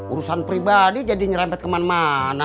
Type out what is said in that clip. urusan pribadi jadi nyerempet kemana mana